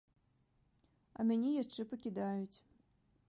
А мяне яшчэ пакідаюць.